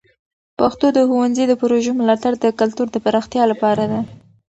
پښتو د ښونځي د پروژو ملاتړ د کلتور د پراختیا لپاره ده.